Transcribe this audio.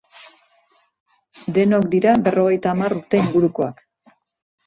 Denok dira berrogeita hamar urte ingurukoak.